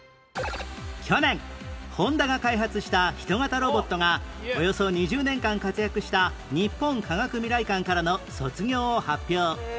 去年ホンダが開発した人型ロボットがおよそ２０年間活躍した日本科学未来館からの卒業を発表